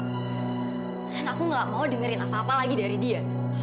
dan aku gak mau dengerin apa apa lagi dari dia